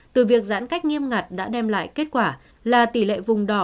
từ việc giãn cách nghiêm ngặt đã đem lại kết quả là tỷ lệ vùng đỏ